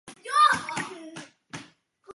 特赫里。